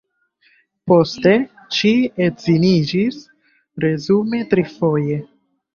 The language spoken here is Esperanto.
Poste ŝi edziniĝis, resume trifoje.